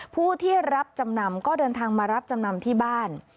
ผู้ที่รับจำนำก็เดินทางมารับจำนำที่บ้าน